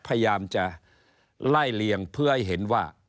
พยายามจะไล่เลี่ยงเพื่อให้เห็นว่า